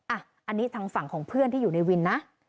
อันนี้ทางฝั่งของเพื่อนที่อยู่ในวินนะ